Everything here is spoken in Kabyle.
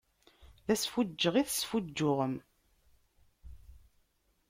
D asfuǧǧeɣ i tesfuǧǧuɣem.